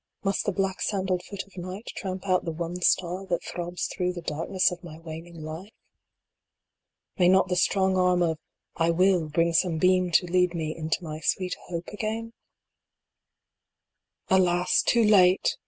Must the black sandaled foot of Night tramp out the one star that throbs through the darkness of my waning life? DYING. in May not the strong arm of " I will," bring some beam to lead me inio my sweet Hope again ? Alas, too late